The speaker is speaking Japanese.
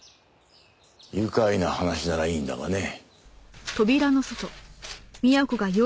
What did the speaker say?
愉快な話ならいいんだがね。